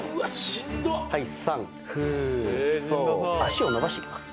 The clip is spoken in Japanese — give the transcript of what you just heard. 足を伸ばしていきます。